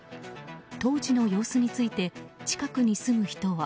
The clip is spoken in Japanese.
当時の様子について近くに住む人は。